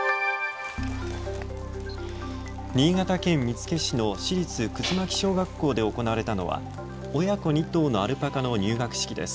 新潟県見附市の市立葛巻小学校で行われたのは親子２頭のアルパカの入学式です。